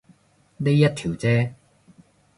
呢一條啫